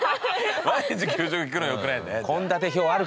毎日給食聞くのよくないんだね。